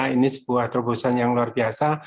ini sebuah terobosan yang luar biasa